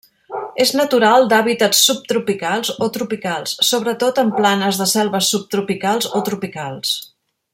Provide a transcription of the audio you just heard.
És natural d'hàbitats subtropicals o tropicals, sobretot en planes de selves subtropicals o tropicals.